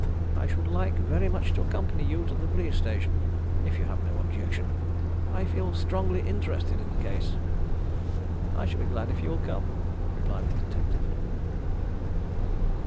I should like very much to accompany you to the police station, if you have no objection I feel strongly interested in the case." "I shall be glad if you will come," replied the detective.